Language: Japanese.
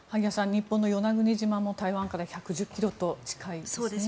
日本の与那国島も台湾から１１０ｋｍと近いです。